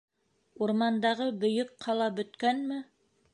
Урмандағы бөйөк ҡала бөткәнме?